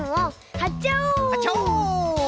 はっちゃおう！